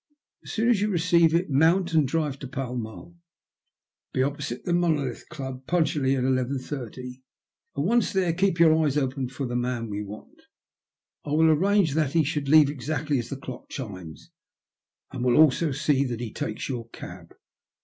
As soon as you receive it, mount and drive to Pall Mall. Be opposite the Monolith Club punctually at 11.80 and once there, keep your eyes open for the man we want. I will arrange thai he shall leave exactly as the clock chimes, and will also see that he takes your cab.